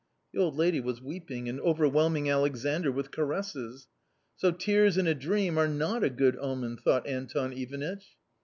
" The old lady was weeping and overwhelming Alexandr with caresses. " So tears in a dream are not a good omen !" thought Anton Ivanitch.